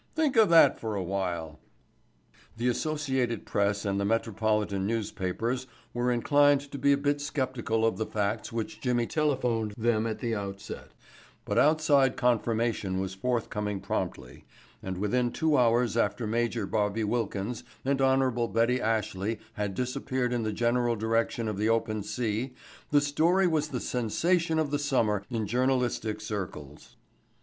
Think of that for a little while." The Associated Press and the metropolitan newspapers were inclined to be a bit skeptical of the facts which Jimmy telephoned them at the outset, but outside confirmation was forthcoming promptly and within two hours after Major Bobby Wilkins and Hon. Betty Ashley had disappeared in the general direction of the open sea the story was the sensation of the summer in journalistic circles.